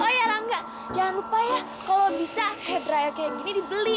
oh iya rangga jangan lupa ya kalau bisa hair dryer kayak gini dibeli